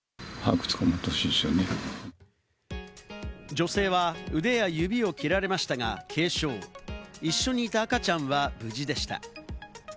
女性は腕や指を切られましたが軽傷、一緒にいた赤ちゃんは無事でした。